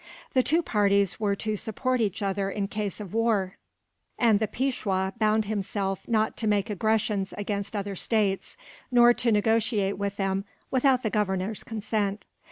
The two parties were to support each other in case of war, and the Peishwa bound himself not to make aggressions against other states, nor to negotiate with them without the Governor's consent.